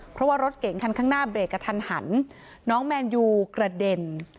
เพราะว่ารถเก่งคันข้างหน้าเบรกกระทันหันน้องแมนยูกระเด็น